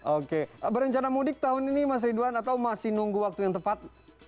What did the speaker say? oke berencana mudik tahun ini mas ridwan atau masih nunggu waktu yang tepat